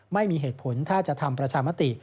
ไม่มีเหตุผลถ้าจะทำประชามติ